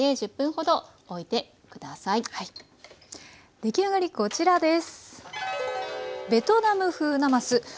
出来上がりこちらです。